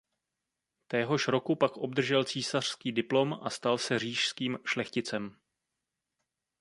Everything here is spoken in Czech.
Téhož roku pak obdržel císařský diplom a stal se říšským šlechticem.